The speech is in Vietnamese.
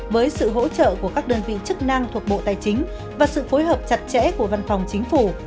với sự hỗ trợ của các đơn vị chức năng thuộc bộ tài chính và sự phối hợp chặt chẽ của văn phòng chính phủ